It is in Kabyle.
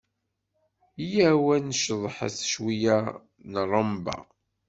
Yya-w ad nceḍḥet cwiyya n ṛṛamba.